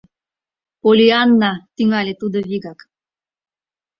— Поллианна, — тӱҥале тудо вигак.